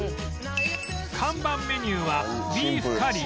看板メニューは